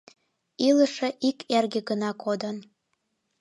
Илыше ик эрге гына кодын.